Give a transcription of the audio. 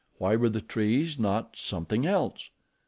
Why were the trees not something else?